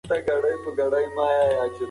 پوهه د انسان شخصیت جوړوي.